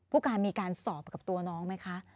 ผู้การมีการสอบกับตัวน้องไหมคะ